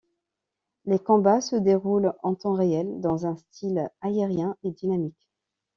Les combats se déroulent en temps réel, dans un style aérien et dynamique.